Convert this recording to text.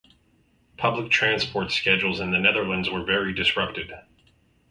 Public transport schedules in the Netherlands were very disrupted.